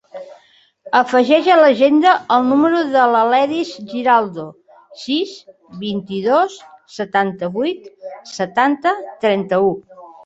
Afegeix a l'agenda el número de l'Aledis Giraldo: sis, vint-i-dos, setanta-vuit, setanta, trenta-u.